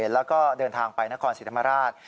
แล้วก็เดินทางไปนครศรีธรรมราช